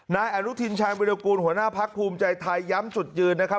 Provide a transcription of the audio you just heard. น้าแอรุทินชายเวียดกูลหัวหน้าภัคพูมใจไทยย้ำจุดยืนนะครับ